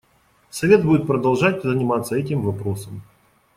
Совет будет продолжать заниматься этим вопросом.